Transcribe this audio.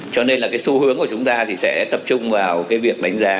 cho nên là cái xu hướng của chúng ta thì sẽ tập trung vào cái việc đánh giá